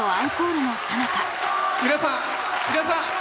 皆さん皆さん！